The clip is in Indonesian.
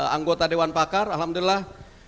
anggota dewan pakar alhamdulillah